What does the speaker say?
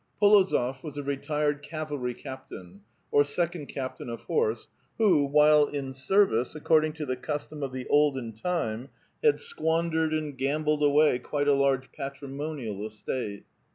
P61ozof was a retired eavalr}' captain, or second captain of horse,^ who, while in service, according to the custom of the oldi'n time, had squandered and gambled away quite a large patrimonial estate.